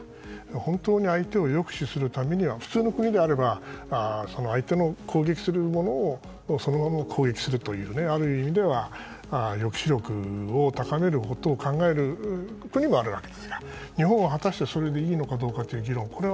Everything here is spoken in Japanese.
本当に相手を抑止するためには普通の国であれば相手の攻撃するものそのものを攻撃するとある意味では抑止力を高めることを考える国もあるわけですが日本は果たしてそれでいいのかどうかという議論。